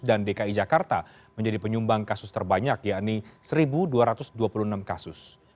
dan dki jakarta menjadi penyumbang kasus terbanyak yakni satu dua ratus dua puluh enam kasus